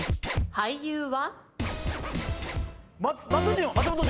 俳優は？